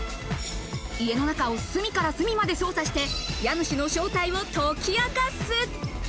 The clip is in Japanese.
家の中を隅から隅まで捜査して、家主の正体を解き明かす。